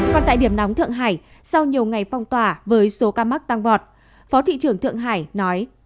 còn tại điểm nóng thượng hải sau nhiều ngày phong tỏa với số ca mắc tăng vọt phó thị trưởng thượng hải nói